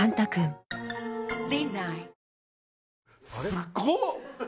すごっ！